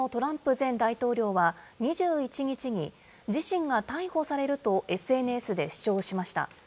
アメリカのトランプ前大統領は２１日に、自身が逮捕されるとＳＮＳで主張しました。